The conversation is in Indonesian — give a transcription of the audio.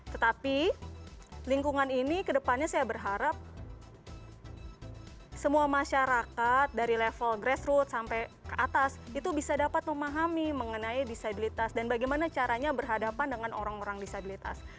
tetapi lingkungan ini kedepannya saya berharap semua masyarakat dari level grassroots sampai ke atas itu bisa dapat memahami mengenai disabilitas dan bagaimana caranya berhadapan dengan orang orang disabilitas